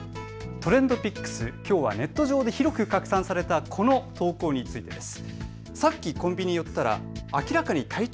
ＴｒｅｎｄＰｉｃｋｓ、きょうはネット上で広く拡散されたこの投稿についてです。